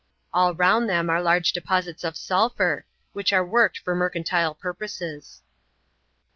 All round them are large deposits of sulphur, which are worked for mercantile purposes.